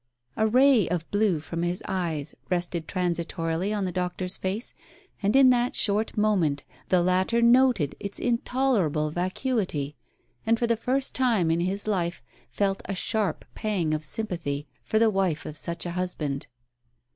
A ray of blue from his Digitized by Google THE PRAYER 113 eyes, rested transitorily on the doctor's face, and in that short moment the latter noted its intolerable vacuity, and for the first time in his life felt a sharp pang of sympathy for the wife of such a husband.